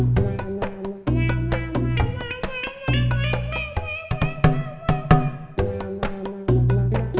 suara h manipulate